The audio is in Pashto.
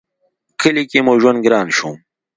کلي کې مو ژوند گران شو